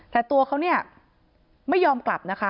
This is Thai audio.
แต่ตัวเขาเนี่ยไม่ยอมกลับนะคะ